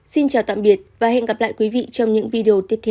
xin chào tạm biệt và hẹn gặp lại quý vị trong những video tiếp theo